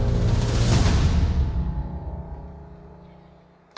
เวทมนต์